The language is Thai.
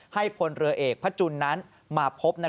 ให้พลเรือเอกพระจุลนั้นมาพบ